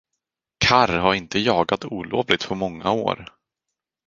Karr har inte jagat olovligt på många år.